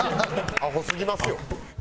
アホすぎますよ。